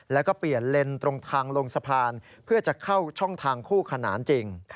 แล้วก็เปลี่ยนเลนส์ตรงทางลงสะพานเพื่อจะเข้าช่องทางคู่ขนานจริง